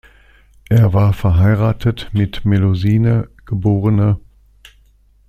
Er war verheiratet mit Melusine, geb.